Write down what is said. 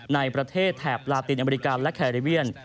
ในประเทศแถบลาตินอเมริกาและแคริเวียน